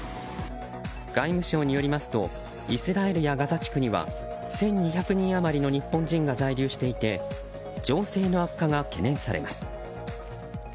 外務省によりますとイスラエルやガザ地区には１２００人余りの日本人が在留していて情勢の悪化が懸念されます。